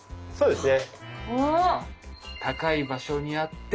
そうですね。